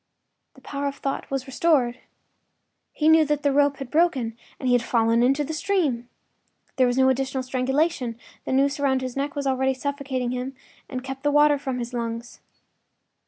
The power of thought was restored; he knew that the rope had broken and he had fallen into the stream. There was no additional strangulation; the noose about his neck was already suffocating him and kept the water from his lungs.